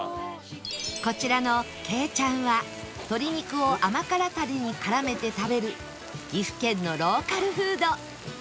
こちらのけいちゃんは鶏肉を甘辛タレに絡めて食べる岐阜県のローカルフード